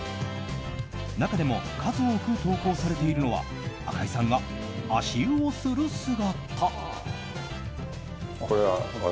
中でも数多く投稿されているのは赤井さんが足湯をする姿。